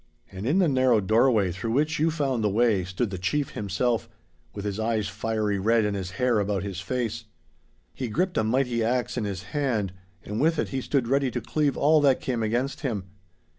'And in the narrow doorway through which you found the way, stood the chief himself, with his eyes fiery red, and his hair about his face. He gripped a mighty axe in his hand, and with it he stood ready to cleave all that came against him.